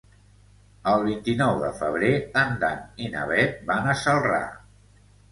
El vint-i-nou de febrer en Dan i na Bet van a Celrà.